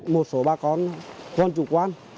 một số bà con con chủ quan